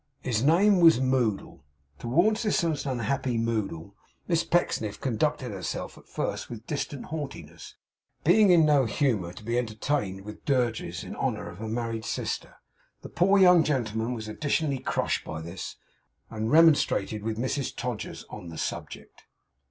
His name was Moddle. Towards this most unhappy Moddle, Miss Pecksniff conducted herself at first with distant haughtiness, being in no humour to be entertained with dirges in honour of her married sister. The poor young gentleman was additionally crushed by this, and remonstrated with Mrs Todgers on the subject.